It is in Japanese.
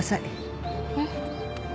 えっ？